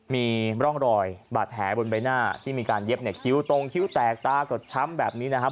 มีร่องรอยบาดแผลบนใบหน้าที่มีการเย็บเนี่ยคิ้วตรงคิ้วแตกตากดช้ำแบบนี้นะครับ